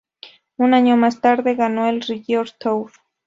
Un año más tarde, ganó el Regio-Tour.